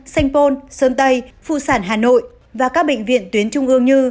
sanh pôn sơn tây phụ sản hà nội và các bệnh viện tuyến trung ương như